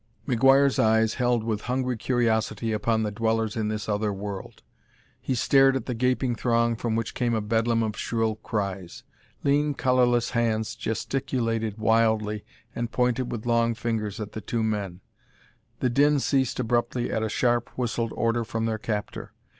McGuire's eyes held with hungry curiosity upon the dwellers in this other world; he stared at the gaping throng from which came a bedlam of shrill cries. Lean colorless hands gesticulated wildly and pointed with long fingers at the two men. The din ceased abruptly at a sharp, whistled order from their captor.